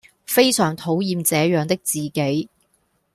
非常討厭這樣的自己